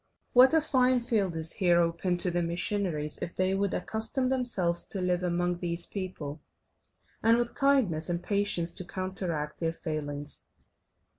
What a fine field is here open to the missionaries if they would accustom themselves to live among these people, and with kindness and patience to counteract their failings!